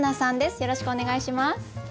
よろしくお願いします。